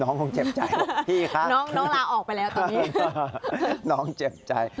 คงเจ็บใจพี่คะน้องลาออกไปแล้วตอนนี้น้องเจ็บใจ